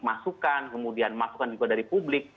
masukan kemudian masukan juga dari publik